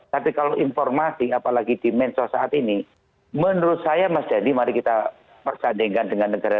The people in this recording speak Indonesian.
tapi kalau informasi apalagi di mensos saat ini menurut saya mas denny mari kita persandingkan dengan negara